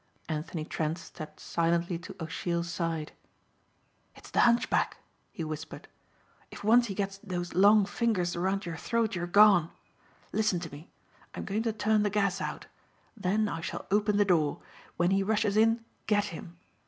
Anthony Trent stepped silently to O'Sheill's side. "It's the Hunchback," he whispered. "If once he gets those long fingers around your throat you're gone. Listen to me. I'm going to turn the gas out. Then I shall open the door. When he rushes in get him.